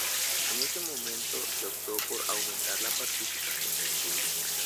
En ese momento se optó por aumentar la participación del público.